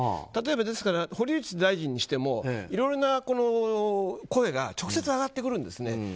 例えば、堀内大臣にしてもいろいろな声が直接上がってくるんですね。